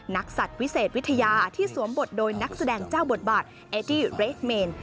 สัตว์วิเศษวิทยาที่สวมบทโดยนักแสดงเจ้าบทบาทเอดี้เรสเมน